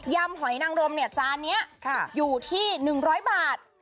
ำหอยนังรมเนี่ยจานนี้อยู่ที่๑๐๐บาท